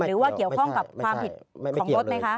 หรือว่าเกี่ยวข้องกับความผิดของรถไหมคะ